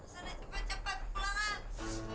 sana cepet cepet pulang ah